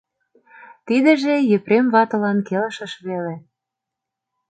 Тидыже Епрем ватылан келшыш веле.